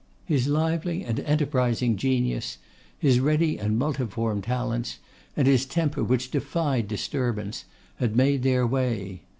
His lively and enterprising genius, his ready and multiform talents, and his temper which defied disturbance, had made their way.